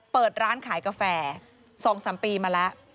เปิดร้านขายกาแฟ๒๓ปีมาแล้ว